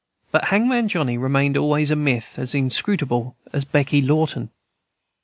But "Hangman Johnny" remained always a myth as inscrutable as "Becky Lawton."